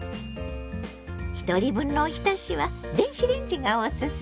ひとり分のおひたしは電子レンジがオススメよ。